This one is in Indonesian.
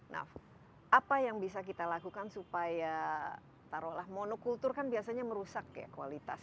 nah apa yang bisa kita lakukan supaya taruhlah monokultur kan biasanya merusak ya kualitas